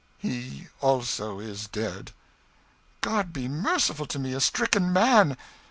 "He, also, is dead." "God be merciful to me, a stricken man!